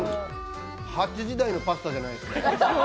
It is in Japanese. ８時台のパスタじゃないですね。